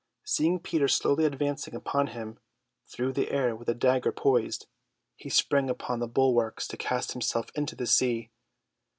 Seeing Peter slowly advancing upon him through the air with dagger poised, he sprang upon the bulwarks to cast himself into the sea.